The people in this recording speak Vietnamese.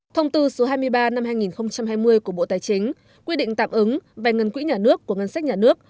thông tư số hai mươi ba năm hai nghìn hai mươi của bộ tài chính quy định tạm ứng vài ngân quỹ nhà nước của ngân sách nhà nước